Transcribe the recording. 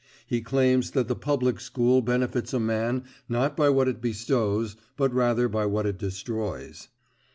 He claims that the Public School benefits a man not by what it bestows; but rather by what it destroys.